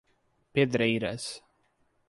Pedreiras